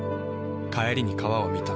帰りに川を見た。